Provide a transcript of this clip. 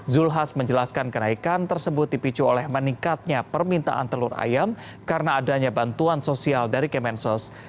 zulkifli hasan menjelaskan kenaikan tersebut dipicu oleh meningkatnya permintaan telur ayam karena adanya bantuan sosial dari kemensos